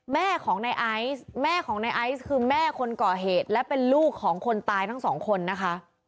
แม่ของในไอซ์แม่ของในไอซ์คือแม่คนก่อเหตุและเป็นลูกของคนตายทั้งสองคนนะคะ